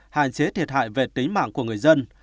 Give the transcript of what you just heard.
hạn chế thiệt hại về tính mạng của người dân